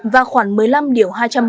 và khoản một mươi năm điều hai trăm một mươi